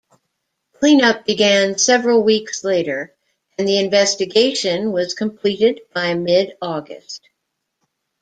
Cleanup began several weeks later, and the investigation was completed by mid-August.